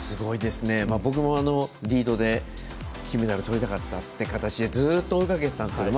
僕もリードで金メダルとりたかったって形でずっと追いかけてたんですけど